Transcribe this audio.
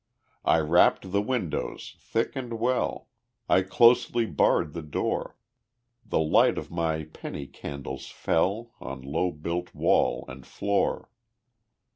I wrapped the windows thick and well, I closely barred the door, The light of my penny candles fell On low built wall and floor.